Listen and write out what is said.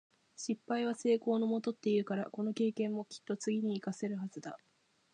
「失敗は成功のもと」って言うから、この経験もきっと次に活かせるはずだ。